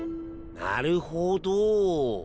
なるほど。